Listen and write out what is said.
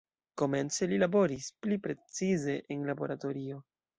Komence li laboris pli precize en laboratorio.